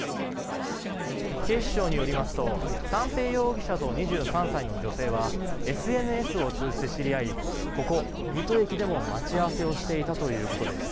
警視庁によりますと三瓶容疑者と２３歳の女性はＳＮＳを通じて知り合いここ水戸駅でも待ち合わせをしていたということです。